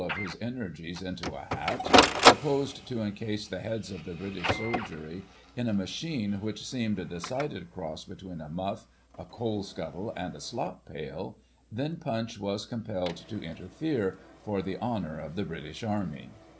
223 of his energies into a hat, proposed to encase the heads of the British soldiery in a machine which seemed a decided Prince Albert's Studio. [PuncA, vol. v., p. 179. cross between a muff, a coal scuttle and a slop pail, then PuncA was compelled to interfere, for the honour of the British Army.